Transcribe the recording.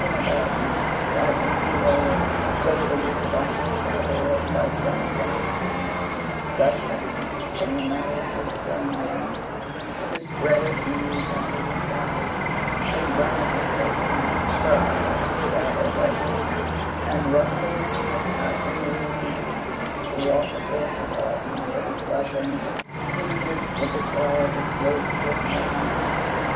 Gather it up from the dust, That its sparkle may amuse you. In a Garden Gushing from the mouths of stone men To spread at ease under the sky In granite lipped basins, Where iris dabble their feet And rustle to a passing wind, The water fills the garden with its rushing, In the midst of the quiet of close clipped lawns.